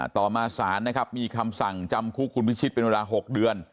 ต่อมาศาลนะครับมีคำสั่งจำคุกคุณพิชิตเป็นเวลา๖เดือน